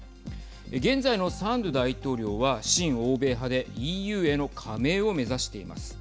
現在のサンドゥ大統領は親欧米派でＥＵへの加盟を目指しています。